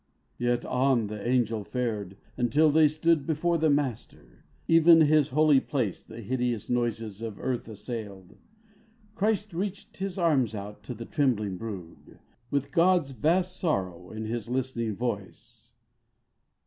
Yet on the Angel fared, until they stood Before the Master. (Even His holy place The hideous noises of the earth assailed.) Christ reached His arms out to the trembling brood, With God's vast sorrow in His listening face.